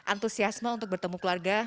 antusiasme untuk bertemu keluarga